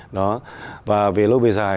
đó và về lâu về dài